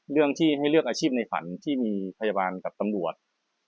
เรื่องที่ให้เลือกอาชีพในฝันที่มีพยาบาลกับตำรวจ